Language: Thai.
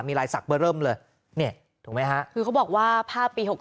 มีลายศักดิเบอร์เริ่มเลยเนี่ยถูกไหมฮะคือเขาบอกว่าภาพปี๖๓